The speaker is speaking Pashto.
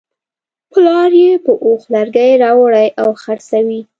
پلار یې په اوښ لرګي راوړي او خرڅوي.